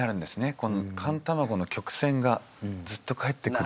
この寒卵の曲線がずっとかえってくる。